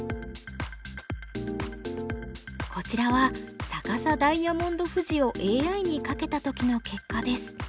こちらは逆さダイヤモンド富士をＡＩにかけた時の結果です。